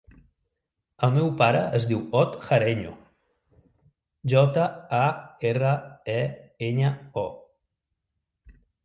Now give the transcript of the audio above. El meu pare es diu Ot Jareño: jota, a, erra, e, enya, o.